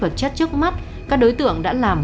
vật chất trước mắt các đối tượng đã làm